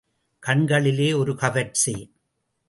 கண்களிலே ஒரு கவர்ச்சி.